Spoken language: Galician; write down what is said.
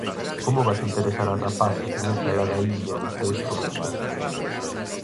Como vas interesar á rapaza con esa ladaíña dos teus problemas?